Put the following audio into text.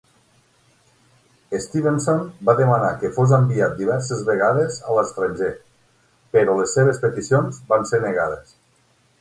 Stevenson va demanar que fos enviat diverses vegades a l'estranger, però les seves peticions van ser negades.